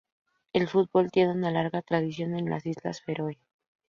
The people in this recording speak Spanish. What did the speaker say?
El fútbol tiene una larga tradición en las Islas Feroe.